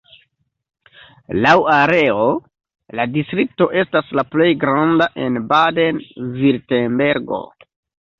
Laŭ areo la distrikto estas la plej granda en Baden-Virtembergo.